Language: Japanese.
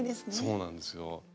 そうなんですよ。